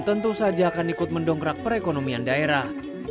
tentu saja akan ikut mendongkrak perekonomian daerah